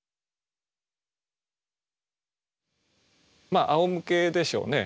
まああおむけでしょうね。